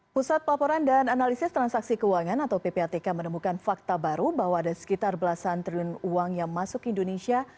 pusat pelaporan dan analisis transaksi keuangan atau ppatk menemukan fakta baru bahwa ada sekitar belasan triliun uang yang masuk ke indonesia